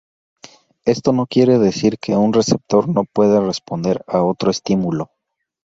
Esto no quiere decir que un receptor no pueda responder a otro estimulo.